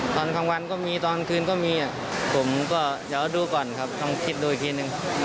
ตอนกลางวันก็มีตอนคืนก็มีผมก็เดี๋ยวดูก่อนครับต้องคิดดูอีกทีหนึ่ง